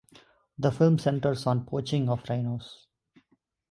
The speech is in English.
The film centers on poaching of rhinos.